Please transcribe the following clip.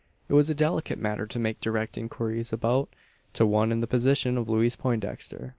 It was a delicate matter to make direct inquiries about to one in the position of Louise Poindexter.